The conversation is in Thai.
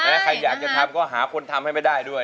และใครอยากจะทำก็หาคนทำให้ไม่ได้ด้วย